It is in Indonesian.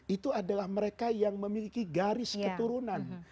itu adalah mereka yang memiliki garis keturunan